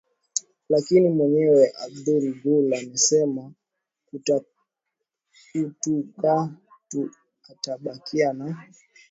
Lakini mwenyewe Abdullah Gul amesema katukatu atabakia na